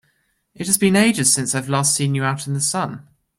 It has been ages since I've last seen you out in the sun!